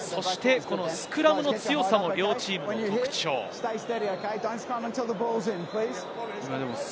スクラムの強さも両チームの特徴です。